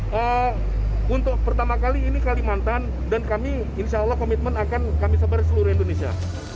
nah untuk pertama kali ini kalimantan dan kami insya allah komitmen akan kami sebar ke seluruh indonesia